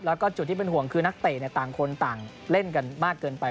แล้วก็จุดที่เป็นห่วงคือนักเตะต่างคนต่างเล่นกันมากเกินไป